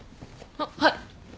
あっはい。